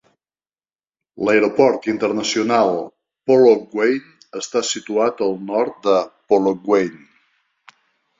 L'Aeroport Internacional Polokwane està situat al nord de Polokwane.